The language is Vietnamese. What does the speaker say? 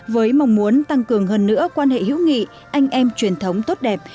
với mong muốn tăng cường hơn nữa quan hệ hữu nghị anh em truyền thống tốt đẹp